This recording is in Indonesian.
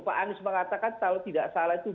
pak anies mengatakan kalau tidak salah itu